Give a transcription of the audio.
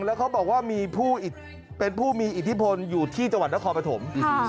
แล้วเขาบอกว่ามีเป็นผู้มีอิทธิพลอยู่ที่จังหวัดนครปฐม